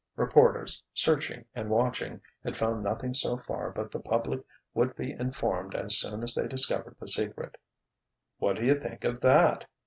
Reporters, searching, and watching, had found nothing so far but the public would be informed as soon as they discovered the secret. "What do you think of that?"